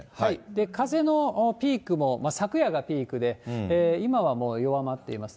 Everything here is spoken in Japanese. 風のピークも昨夜がピークで、今はもう弱まっていますね。